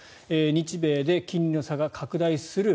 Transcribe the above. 日米で金利の差が拡大する。